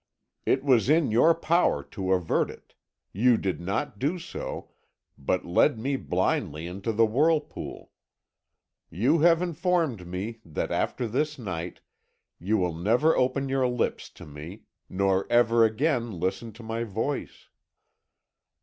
It was in your power to avert it; you did not do so, but led me blindly into the whirlpool. You have informed me that, after this night, you will never open your lips to me, nor ever again listen to my voice.'